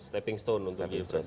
stepping stone untuk di indonesia